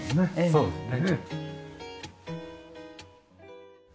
そうですね。